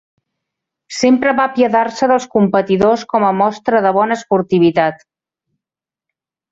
Sempre va apiadar-se dels competidors com a mostra de bona esportivitat.